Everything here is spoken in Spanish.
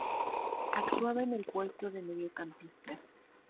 Actuaba en el puesto de mediocampista.